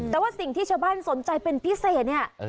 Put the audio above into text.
แต่ว่าสิ่งที่ชาวบ้านสนใจเป็นพิเศษเนี่ย